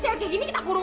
tapi dia udah gak waras